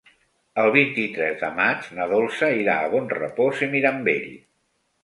El vint-i-tres de maig na Dolça irà a Bonrepòs i Mirambell.